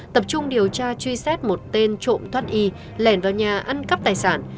tập trung điều tra truy xét một tên trộm thoát y lẻn vào nhà ăn cắp tài sản